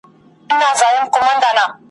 زما یوه خواخوږي دوست `